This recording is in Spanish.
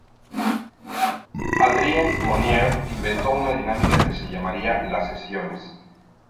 Adrienne Monnier inventó una dinámica que llamaría las sesiones.